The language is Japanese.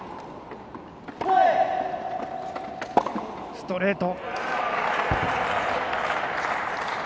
ストレート！